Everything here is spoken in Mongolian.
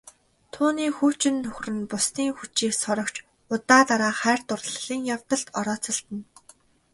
Түүний хуучин нөхөр нь бусдын хүчийг сорогч удаа дараа хайр дурлалын явдалд орооцолдсон.